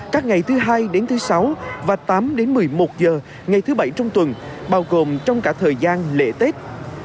các ngày thứ hai đến thứ sáu và tám đến một mươi một giờ ngày thứ bảy trong tuần bao gồm trong cả thời gian lễ tết